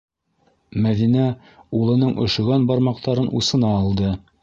Мәҙинә улының өшөгән бармаҡтарын усына алды: